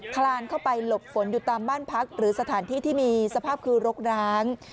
คลานเข้าไปหลบฝนอยู่ตามบ้านพักหรือสถานที่ที่มีสภาพคือรกร้าง